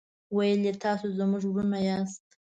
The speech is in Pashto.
ویل یې تاسو زموږ ورونه یاست.